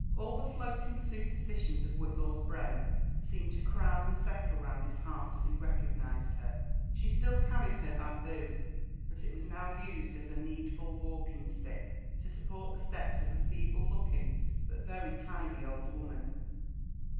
Alt the floating superstitions of Whitlaw's brain seemed to crowd and settle round his heart as he recognised her. She still carried her bamboo, but it was now used as a needful walking stick, to support the steps of a feeble looking but very tidy old wi>man.